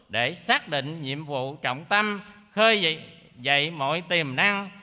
để xác định nhiệm vụ trọng tâm khơi dậy mọi tiềm năng